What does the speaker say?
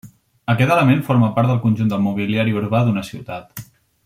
Aquest element forma part del conjunt del mobiliari urbà d'una ciutat.